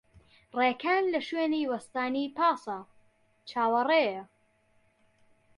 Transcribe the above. ڕێکان لە شوێنی وەستانی پاسە، چاوەڕێیە.